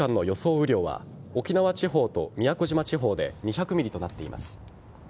雨量は沖縄地方と宮古島地方で２００ｍｍとなっています。